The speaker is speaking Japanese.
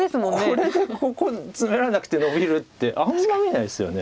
これでここツメられなくてのびるってあんまり見ないですよね。